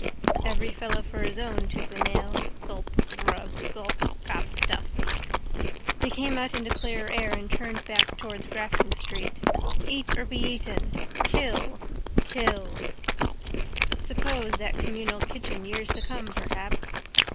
Every fellow for his own, tooth and nail. Gulp. Grub. Gulp. Gobstuff. He came out into clearer air and turned back towards Grafton street. Eat or be eaten. Kill! Kill! Suppose that communal kitchen years to come perhaps.